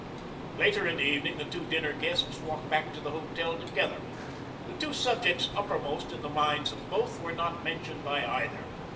Later in the evening the two dinner guests walked back to the hotel together. The two subjects uppermost in the minds of both were not mentioned by either.